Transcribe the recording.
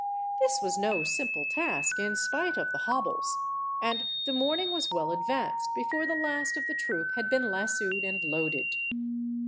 This was no simple task, in spite of the hob bles, and the morning was well advanced before the last of the troop had been lassooed and loaded.